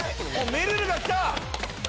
めるるがきた！